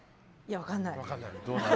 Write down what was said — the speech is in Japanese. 分かんない。